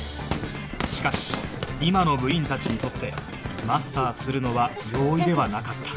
しかし今の部員たちにとってマスターするのは容易ではなかった